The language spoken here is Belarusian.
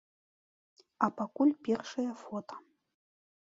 А пакуль першыя фота.